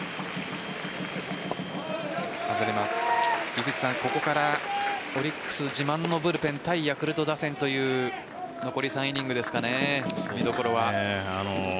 井口さん、ここからオリックス自慢のブルペン対ヤクルト打線という残り３イニングですかね。